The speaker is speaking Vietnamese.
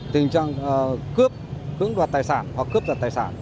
tình trạng cướp cưỡng đoạt tài sản hoặc cướp giật tài sản